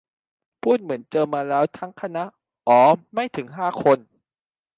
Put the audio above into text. พูดเหมือนเจอมาแล้วทั้งคณะ อ๋อ ไม่ถึงห้าคน